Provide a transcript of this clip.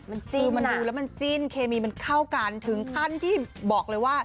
มันจิ้นคือมันดูแล้วมันจิ้นเคมีมันเข้ากันถึงขั้นที่บอกเลยว่า